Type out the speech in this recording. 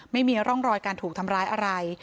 ไม่มีร่องรอยการถูกทำร้ายอะไร